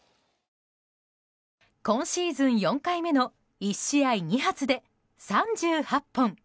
今シーズン４回目の１試合２発で３８本。